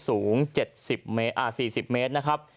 สูง๗๔๐เมตรนะครับ